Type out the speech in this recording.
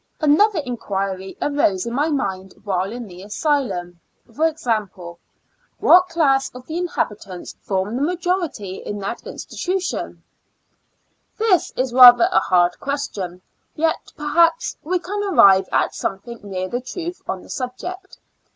Another inquiry arose in my mind while in the asylum, viz : What class of the in habitants form the majority in that institu IN A L UNATIC ASYL U3L 1 Q 3 tion? This is rather a hard question; yet, perhaps, we can arrive at something near the truth on the subject.